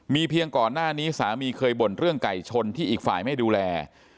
เพียงก่อนหน้านี้สามีเคยบ่นเรื่องไก่ชนที่อีกฝ่ายไม่ดูแล